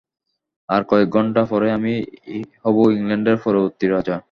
আর কয়েক ঘণ্টা পরেই আমি হবো ইংল্যান্ডের পরবর্তী রাজা।